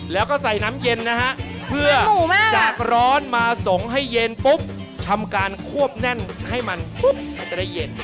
แล้วก็ใส่น้ำเย็นนะฮะเพื่อจากร้อนมาส่งให้เย็นปุ๊บทำการควบแน่นให้มันปุ๊บมันจะได้เย็น